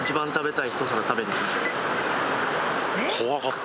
怖かった！